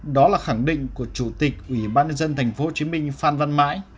đó là khẳng định của chủ tịch ủy ban nhân dân tp hcm phan văn mãi